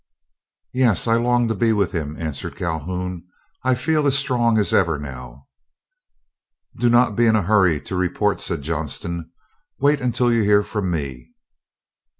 "Yes, I long to be with him," answered Calhoun. "I feel as strong as ever now." "Do not be in a hurry to report," said Johnston. "Wait until you hear from me."